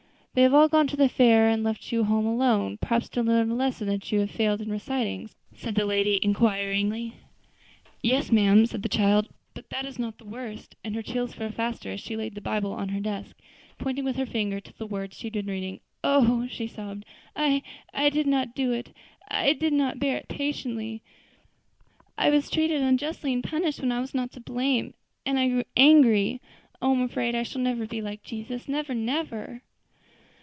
"They have all gone to the fair and left you at home alone; perhaps to learn a lesson you have failed in reciting?" said the lady, inquiringly. "Yes, ma'am," said the child; "but that is not the worst;" and her tears fell faster, as she laid the little Bible on the desk, and pointed with her finger to the words she had been reading. "Oh!" she sobbed, "I I did not do it; I did not bear it patiently. I was treated unjustly, and punished when I was not to blame, and I grew angry. Oh! I'm afraid I shall never be like Jesus! never, never."